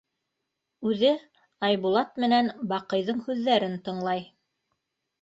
Үҙе Айбулат менән Баҡыйҙың һүҙҙәрен тыңлай.